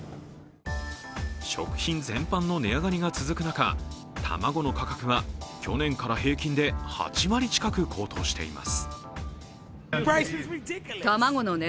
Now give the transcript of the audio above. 食品全般の値上がりが続く中卵の価格は平均で８割近く高騰しています。